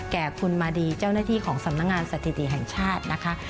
แก่คุณมาดีเจ้าหน้าที่ของสำนักงานสถิติแห่งชาตินะคะ